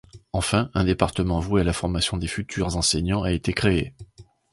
Enfin, un département voué à la formation des futurs enseignants a également été créé.